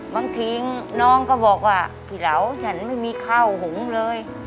บางทีน้องก็บอกว่าพี่เหลาฉันไม่มีข้าวหุงเลย